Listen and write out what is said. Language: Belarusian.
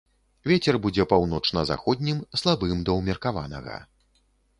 Вецер будзе паўночна-заходнім, слабым да ўмеркаванага.